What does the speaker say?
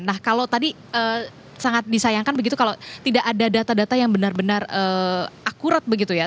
nah kalau tadi sangat disayangkan begitu kalau tidak ada data data yang benar benar akurat begitu ya